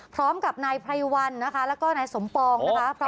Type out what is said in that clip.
พร้อมกับนายไพวัลนะคะแล้วก็นายสมปองนะคะอ๋ออดีตพระ